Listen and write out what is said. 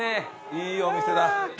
いいお店だ！